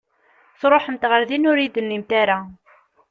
Tṛuḥemt ɣer din ur iyi-d-tennimt ara!